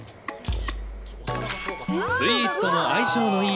スイーツとの相性がいい